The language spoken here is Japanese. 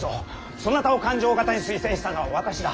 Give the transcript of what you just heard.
そなたを勘定方に推薦したのは私だ。